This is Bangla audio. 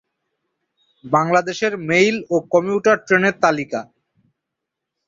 বাংলাদেশের মেইল ও কমিউটার ট্রেনের তালিকা